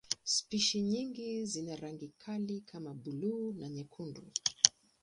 Spishi nyingine zina rangi kali kama buluu na nyekundu.